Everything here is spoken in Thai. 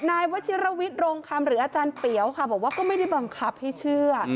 นายวชิรวิทย์โรงคำหรืออาจารย์เปียวค่ะบอกว่าก็ไม่ได้บังคับให้เชื่อ